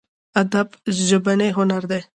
ادب ژبنی هنر دی.